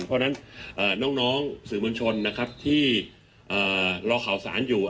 เพราะฉะนั้นน้องสื่อมวลชนนะครับที่รอข่าวสารอยู่